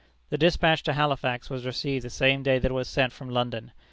The despatch to Halifax was received the same day that it was sent from London.